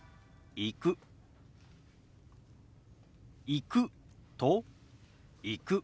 「行く」と「行く」。